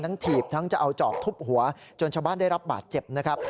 ถีบทั้งจะเอาจอบทุบหัวจนชาวบ้านได้รับบาดเจ็บนะครับ